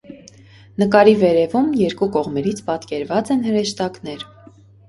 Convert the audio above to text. Նկարի վերևում, երկու կողմերից պատկերված են հրեշտակներ։